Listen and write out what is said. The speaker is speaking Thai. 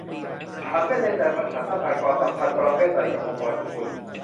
ฉันไม่แน่ใจว่าฉันต้องการความสัมพันธ์ประเภทใดกับองค์กรของคุณ